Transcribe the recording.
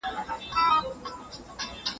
احمد په خپل موبایل کي یو نوی پروګرام انسټال کړی و.